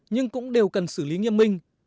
nhưng cũng đều cần xử lý nghiêm minh